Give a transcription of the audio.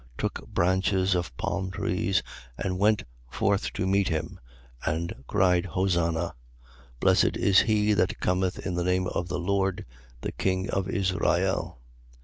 Took branches of palm trees and went forth to meet him and cried Hosanna. Blessed is he that cometh in the name of the Lord, the king of Israel. 12:14.